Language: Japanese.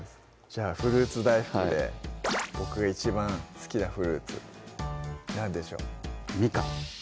じゃあフルーツ大福で僕が一番好きなフルーツ何でしょう？